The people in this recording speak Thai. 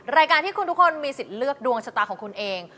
รายการที่คุณทุกคนมีสิทธิ์เลือกดวงชะตาของคุณเอง